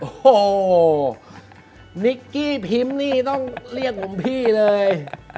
โอ้โหนิกกี้พิมพ์นี่ต้องเรียกผมพี่เลย